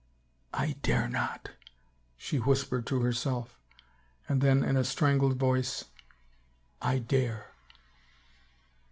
" I dare not," she whispered to herself, and then in a strangled voice, " I dare